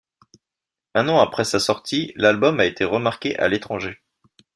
Un an après sa sortie, l’album a été remarqué à l’étranger.